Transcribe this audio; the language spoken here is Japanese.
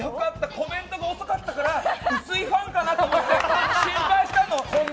コメントが遅かったから薄いファンかなと思って心配したの。